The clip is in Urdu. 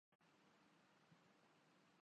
آج کل اول تو ایسا کوئی کرتا نہیں اور کرے بھی